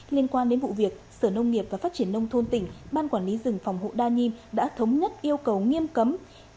liên quan đến vụ việc sở nông nghiệp và phát triển nông thôn tỉnh ban quản lý rừng phòng hộ đa nhiêm đã thống nhất yêu cầu nghiêm cấm